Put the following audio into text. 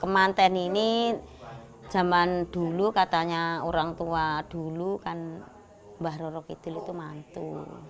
kemanten ini zaman dulu katanya orang tua dulu kan bahrorok itu itu mantu